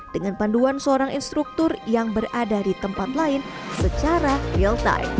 dengan panduan seorang instruktur yang berada di tempat lain secara real time